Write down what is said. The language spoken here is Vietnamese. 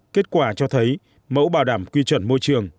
kết quả cho thấy mẫu bảo đảm quy chuẩn môi trường